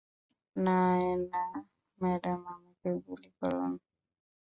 Naina madam, আমাকে গুলি করেন!